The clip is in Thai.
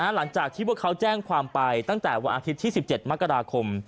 หลังจากที่พวกเขาแจ้งความไปตั้งแต่วันอาทิตย์ที่๑๗มกราคม